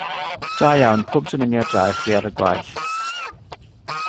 Da iawn, pob dymuniad da ichi ar y gwaith.